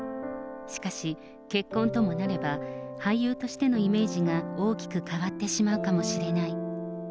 しかし、結婚ともなれば、俳優としてのイメージが大きく変わってしまうかもしれない。